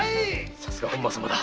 さすが本間様だ。